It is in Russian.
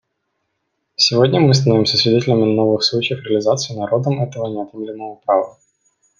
Сегодня мы становимся свидетелями новых случаев реализации народом этого неотъемлемого права.